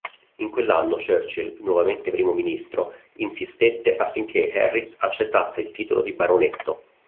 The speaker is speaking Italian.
In quell'anno Churchill, nuovamente Primo Ministro, insistette affinché Harris accettasse il titolo di baronetto.